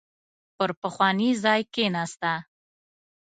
پر پخواني ځای کېناسته.